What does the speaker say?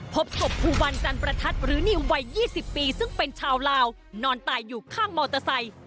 พบศพภูวันจันประทัดหรือนิววัย๒๐ปีซึ่งเป็นชาวลาวนอนตายอยู่ข้างมอเตอร์ไซค์